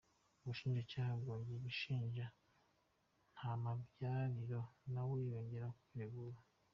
Ubushinjacyaha bwongeye gushinja Ntamabyariro nawe yongera kwiregura.